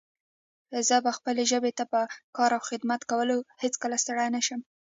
زه به خپلې ژبې ته په کار او خدمت کولو هيڅکله ستړی نه شم